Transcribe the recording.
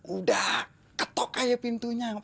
udah ketok aja pintunya